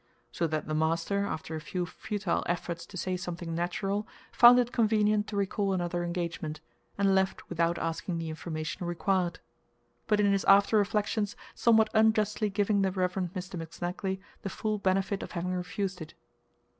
So that the master, after a few futile efforts to say something natural, found it convenient to recall another engagement, and left without asking the information required, but in his after reflections somewhat unjustly giving the Rev. Mr. McSnagley the full benefit of having refused it.